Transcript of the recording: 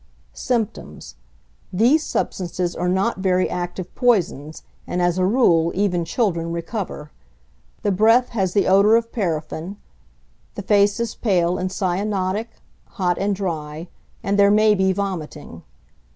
Symptoms. These substances are not very active poisons, and, as a rule, even children recover. The breath has the odour of paraffin, the face is pale and cyanotic, hot and dry, and there may be vomiting.